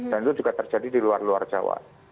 dan itu juga terjadi di luar luar jawa